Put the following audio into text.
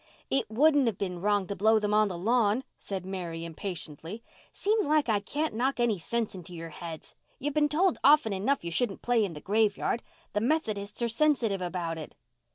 "It wouldn't have been wrong to blow them on the lawn," said Mary impatiently. "Seems like I can't knock any sense into your heads. You've been told often enough you shouldn't play in the graveyard. The Methodists are sensitive about it."